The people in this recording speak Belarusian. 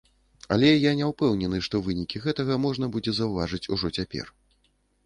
Але я не ўпэўнены, што вынікі гэтага можна будзе заўважыць ужо цяпер.